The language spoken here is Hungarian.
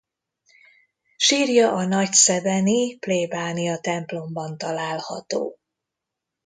Sírja a nagyszebeni plébániatemplomban található.